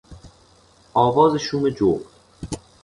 آواز شوم جغد